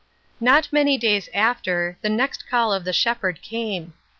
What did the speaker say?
" Not many days after, the next call of the Shep herd came.